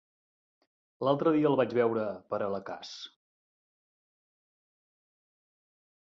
L'altre dia el vaig veure per Alaquàs.